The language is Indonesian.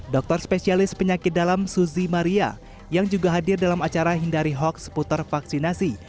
dokter spesialis penyakit dalam suzy maria yang juga hadir dalam acara hindari hoax seputar vaksinasi